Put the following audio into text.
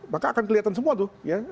maka akan kelihatan semua tuh